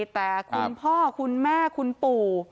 แต่คุณพ่อคุณแม่คุณปู่